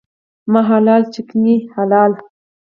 ما حلال ، چکي نه حلال.